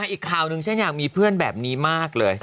อีกข่าวหนึ่งฉันอยากมีเพื่อนแบบนี้มากเลย